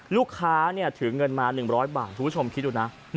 ลูกค้าถือเงินมา๑๐๐บาทคุณผู้ชมคิดดูนะ